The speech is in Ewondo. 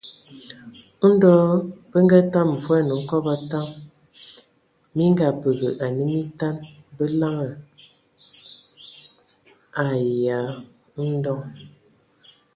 Nao be ngatam voan hkobo a taŋ. minkabǝga ane mitan, be laŋan ayǝa. Edɔ.